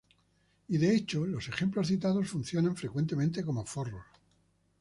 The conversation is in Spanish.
Y de hecho, los ejemplos citados funcionan frecuentemente como forros.